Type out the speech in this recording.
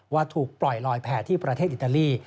ว่าถูกปล่อยลอยแผ่ที่ประเทศอิตาลี